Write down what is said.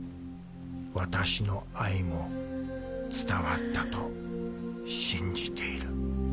私の愛も伝わったと信じている」。